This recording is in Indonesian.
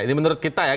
ini menurut kita ya